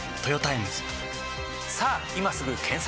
さぁ今すぐ検索！